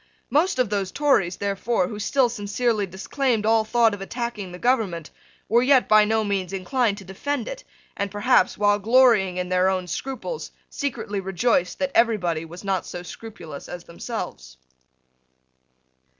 Most of those Tories, therefore, who still sincerely disclaimed all thought of attacking the government, were yet by no means inclined to defend it, and perhaps, while glorying in their own scruples, secretly rejoiced that everybody was not so scrupulous as themselves.